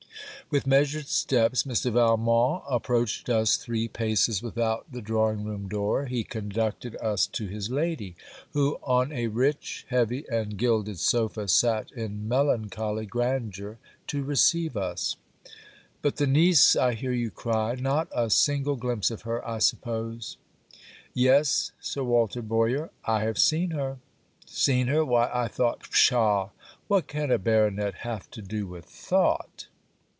With measured steps, Mr. Valmont approached us three paces without the drawing room door. He conducted us to his lady; who, on a rich heavy and gilded sopha, sat in melancholy grandeur to receive us. 'But the niece,' I hear you cry, 'Not a single glimpse of her, I suppose?' 'Yes, Sir Walter Boyer, I have seen her.' 'Seen her! Why, I thought .' Psha! what can a Baronet have to do with thought?